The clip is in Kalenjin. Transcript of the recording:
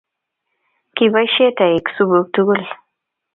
kiboishe toek supuk togul.